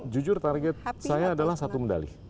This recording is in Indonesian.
jujur target saya adalah satu medali